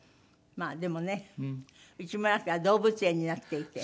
まあでもね市村家は動物園になっていて。